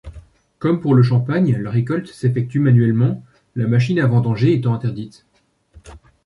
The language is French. Comme pour le champagne, la récolte s’effectue manuellement, la machine à vendanger étant interdite.